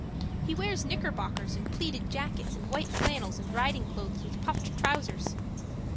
He wears knickerbockers and pleated jackets and white flannels and riding clothes with puffed trousers.